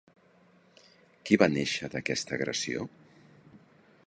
Qui va néixer d'aquesta agressió?